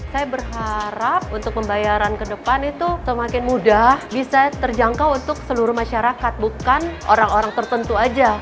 saya berharap untuk pembayaran ke depan itu semakin mudah bisa terjangkau untuk seluruh masyarakat bukan orang orang tertentu saja